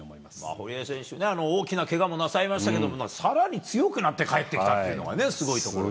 堀江選手、大きなけがをなさいましたけど、さらに強くなって帰ってきたっていうのがね、すごいところです。